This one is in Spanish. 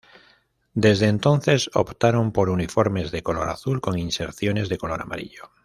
Desde entonces optaron por uniformes de color azul, con inserciones de color amarillo.